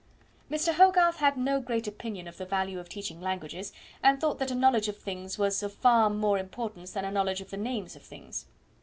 Mr. Hogarth had no great opinion of the value of teaching languages, and thought that a knowledge of things was of far more importance than a knowledge of the names of things.